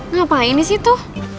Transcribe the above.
ngapain di situ